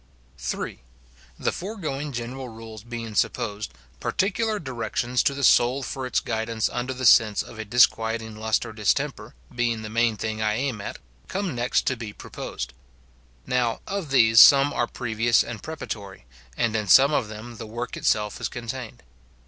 III. The foregoing general rules being supposed, par ticular directions to the soul for its guidance under the sense of a disquieting lust or distemper, being the main thing I aim at, come next to be proposed. Now, of these some are previous and preparatory, and in some of them the work itself is contained.